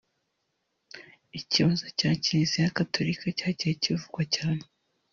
Ikibazo cya Kiliziya Gatorika cyagiye kivugwa cyane